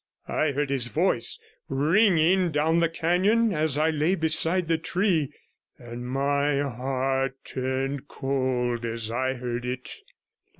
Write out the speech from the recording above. I heard his voice ringing down the canon as I lay beside the tree, and my heart turned cold as I heard it.